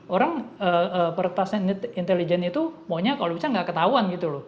orang peretasan intelijen itu maunya kalau bisa nggak ketahuan gitu loh